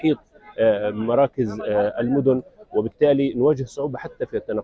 pada pagi hari ini kita mempunyai empat puluh menit jauh untuk mencapai ke sini